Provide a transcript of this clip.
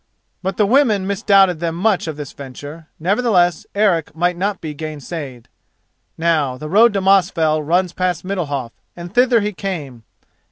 But the women misdoubted them much of this venture; nevertheless Eric might not be gainsayed. Now, the road to Mosfell runs past Middalhof and thither he came.